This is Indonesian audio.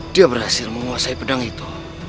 dia berhasil menguasai pedang itu